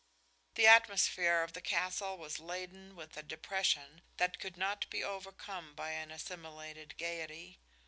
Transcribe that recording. The atmosphere of the castle was laden with a depression that could not be overcome by an assimilated gaiety.